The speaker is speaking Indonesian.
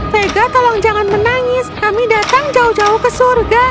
vega tolong jangan menangis kami datang jauh jauh ke surga